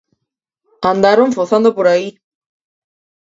Andaron fozando por aí.